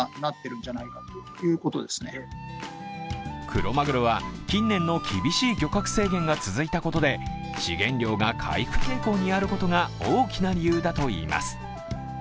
クロマグロは近年の厳しい漁獲制限が続いたことで資源量が回復傾向にあることが大きな理由だといいます。